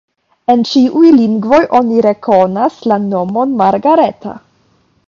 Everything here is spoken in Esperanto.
En ĉiuj lingvoj oni rekonas la nomon Margareta.